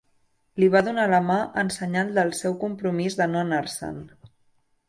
Li va donar la mà en senyal del seu compromís de no anar-se'n.